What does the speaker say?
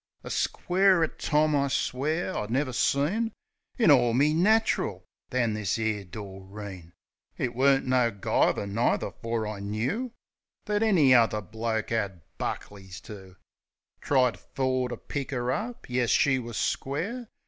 A squarer tom, I swear, I never seen, In all me natchril, than this 'ere Doreen. It wer'n't no guyver neither; fer I knoo That any other bloke 'ad Buckley's 'oo Tried fer to pick 'er up. Yes, she wus square.